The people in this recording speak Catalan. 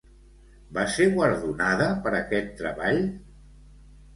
Va ser guardonada per aquest treball?